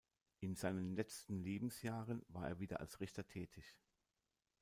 In seinen letzten Lebensjahren war er wieder als Richter tätig.